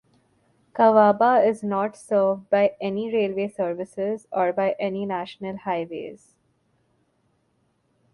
Kawaba is not served by any railway services or by any national highways.